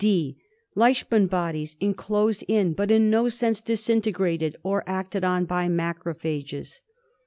{d) Leishman bodies enclosed in, but in no sense disintegrated or acted on by macrophages.